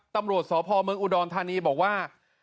ตำรวจสพเมืองอุดรธานีบอกว่า